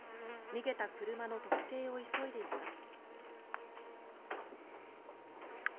逃げた車の特定を急いでいます。